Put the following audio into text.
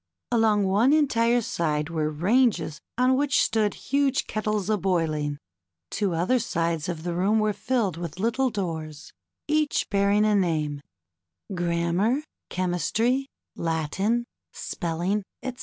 Along one entire side were ranges on which stood huge kettles a boiling. Two other sides of the room were filled with little doors, each bearing a name : Grammar, Chemistry, Latin, Spelling, etc.